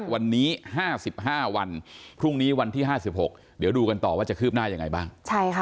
วันนี้๕๕วันพรุ่งนี้วันที่๕๖เดี๋ยวดูกันต่อว่าจะคืบหน้ายังไงบ้าง